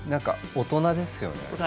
大人ですね。